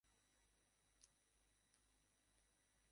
কিন্তু বিপ্লব সিমলা নামের এক মেয়েকে ভালোবাসে।